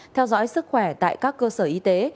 theo dõi sức khỏe tại các cơ sở y tế